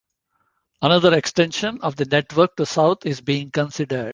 Another extension of the network to the south is being considered.